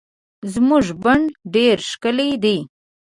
زمونږ بڼ ډير ښکلي دي